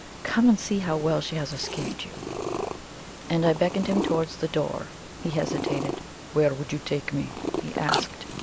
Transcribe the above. Come and see how well she has escaped you!" And I beckoned him towards the door. He hesitated. "Where would you take me?" he asked.